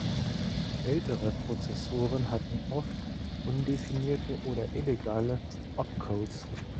Ältere Prozessoren hatten oft „undefinierte“ oder „illegale“ Opcodes.